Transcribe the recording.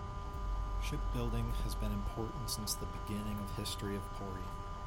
Ship building has been important since the beginning of history of Pori.